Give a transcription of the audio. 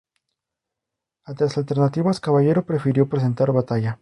Ante las alternativas, Caballero prefirió presentar batalla.